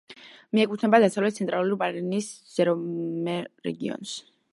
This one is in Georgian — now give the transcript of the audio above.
მიეკუთვნება დასავლეთ-ცენტრალური პარანის მეზორეგიონს.